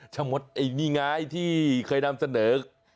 ชะมดนี่ไงที่เคยนำเสนอกินกาแฟ